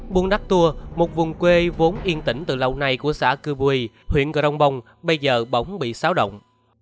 buôn đắc tùa một vùng quê vốn yên tĩnh từ lâu nay của xã cư bùi huyện cờ đông bông bây giờ bóng bị xáo động